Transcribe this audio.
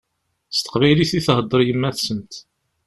S teqbaylit i theddeṛ yemma-tsent.